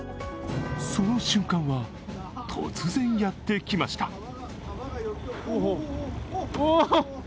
その瞬間は突然やってきました。